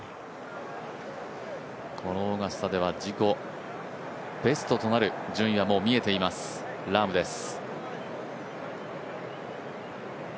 このオーガスタでは自己ベストとなる順位はもう見えています、ラームです。